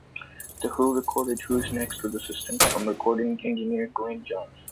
The Who recorded "Who's Next" with assistance from recording engineer Glyn Johns.